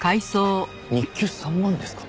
日給３万ですか？